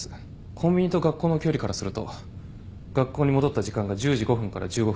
コンビニと学校の距離からすると学校に戻った時間が１０時５分から１５分の間。